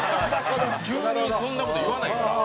急にそんな事言わないから。